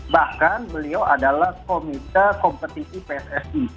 bahkan beliau adalah komite kompetisi pssi